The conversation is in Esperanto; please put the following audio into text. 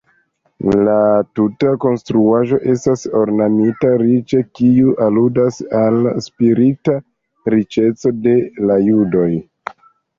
La tuta konstruaĵo estas ornamita riĉe, kiu aludas al spirita riĉeco de la judoj.